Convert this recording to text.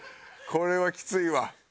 これはきついわ。